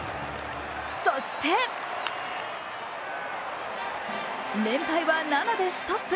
そして連敗は７でストップ。